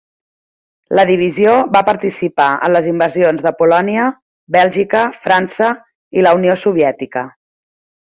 La divisió va participar en les invasions de Polònia, Bèlgica, França i la Unió Soviètica.